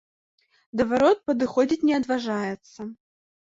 Да варот падыходзіць не адважваецца.